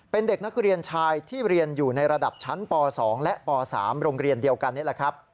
เป็นเด็กนักเรียนชายที่เรียนอยู่ในระดับชั้นป๒และป๓โรงเรียนเดียวกันนี่แหละครับ